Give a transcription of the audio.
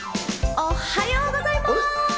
おっはようございます！